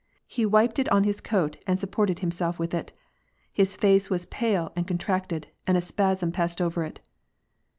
He wiped it on his coat and sup ported himself with it. His face was pale and contracted, and a spasm passed over it.